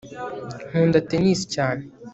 nkunda tennis cyane